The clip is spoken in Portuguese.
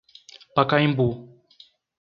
Pacaembu